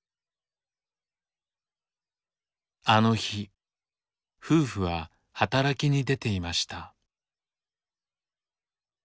あの日夫婦は働きに出ていました。